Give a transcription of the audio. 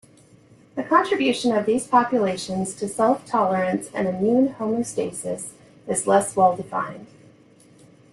The contribution of these populations to self-tolerance and immune homeostasis is less well defined.